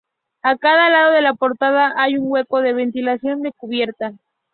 A cada lado de la portada hay un hueco de ventilación de cubierta.